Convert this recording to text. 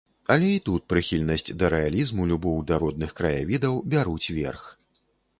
Але і тут прыхільнасць да рэалізму, любоў да родных краявідаў бяруць верх.